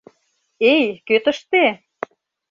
— Эй, кӧ тыште?